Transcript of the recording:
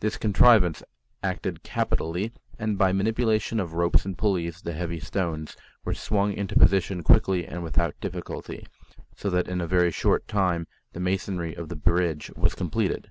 This contrivance acted capitally, and by manipulation of ropes and pulleys the heavy stones were swung into position quickly and without difficulty, so that in a very short time the masonry of the bridge was completed.